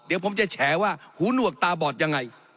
เดี๋ยวผมจะแฉว่าหูหนวกตาบอดยังไง